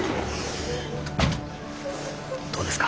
どうですか？